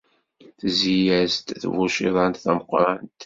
Tezzi-as-d tbuciḍant tameqqrant.